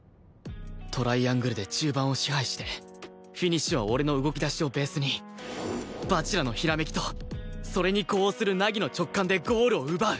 トライアングルで中盤を支配してフィニッシュは俺の動き出しをベースに蜂楽のひらめきとそれに呼応する凪の直感でゴールを奪う